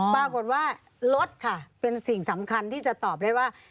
ปรากฏว่ารถค่ะเป็นสิ่งสำคัญที่จะตอบได้ว่า